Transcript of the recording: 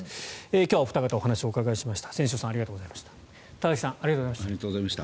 今日はお二方にお話を伺いました。